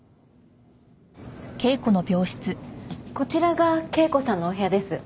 こちらが圭子さんのお部屋です。